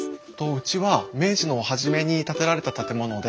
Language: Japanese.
うちは明治の初めに建てられた建物で。